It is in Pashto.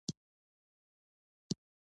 د ژبې پالنه د هر با احساسه انسان مسؤلیت دی.